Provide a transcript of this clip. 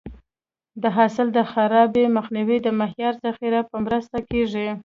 د حاصل د خرابي مخنیوی د معیاري ذخیرې په مرسته کېږي.